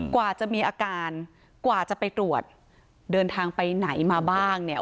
กว่าจะมีอาการกว่าจะไปตรวจเดินทางไปไหนมาบ้างเนี่ย